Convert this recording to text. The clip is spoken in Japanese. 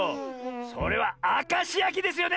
それはあかしやきですよね！